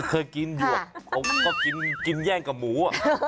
เคยกินหยวกผมก็กินแย่งกับหมู